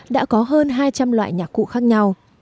đã có hơn hai trăm linh loại nhạc cụ khác nhau